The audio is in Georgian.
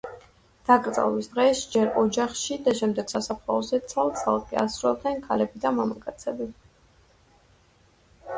დაკრძალვის დღეს ჯერ ოჯახში და შემდეგ სასაფლაოზე ცალ-ცალკე ასრულებდნენ ქალები და მამაკაცები.